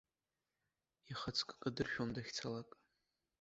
Ихаҵкы кадыршәуам дахьцалак.